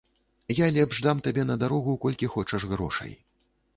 Я лепш дам табе на дарогу колькі хочаш грошай.